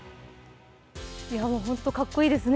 本当にかっこいいですね。